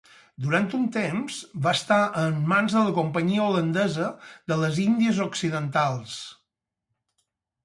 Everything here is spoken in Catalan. Durant un temps va estar en mans de la Companyia Holandesa de les Índies Occidentals.